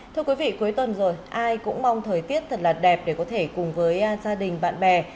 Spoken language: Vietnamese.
thưa quý vị cuối tuần rồi ai cũng mong thời tiết thật là đẹp để có thể cùng với gia đình bạn bè